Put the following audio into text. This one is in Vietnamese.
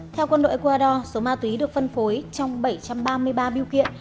theo quân đội ecuador số ma túy được phân phối trong bảy trăm ba mươi ba biêu kiện